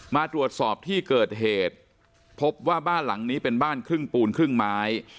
มาตรวจสอบที่เกิดเหตุพบว่าบ้านหลังนี้เป็นบ้านครึ่งปูนครึ่งไม้